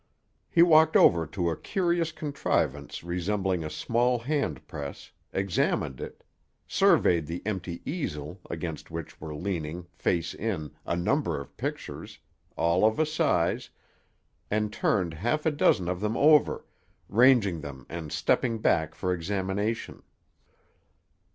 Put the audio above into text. He walked over to a curious contrivance resembling a small hand press, examined it, surveyed the empty easel, against which were leaning, face in, a number of pictures, all of a size, and turned half a dozen of them over, ranging them and stepping back for examination.